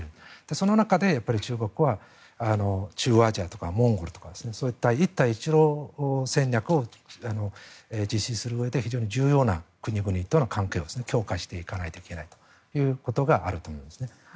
その中で中国は中央アジアとかモンゴルとかそういった、一帯一路戦略を実施するうえで非常に重要な国々との関係を強化していかないといけないということがあると思います。